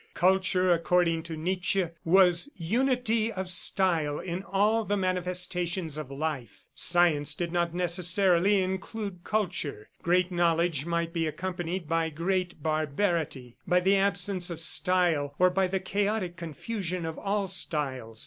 Culture, according to Nietzsche, was "unity of style in all the manifestations of life." Science did not necessarily include culture. Great knowledge might be accompanied with great barbarity, by the absence of style or by the chaotic confusion of all styles.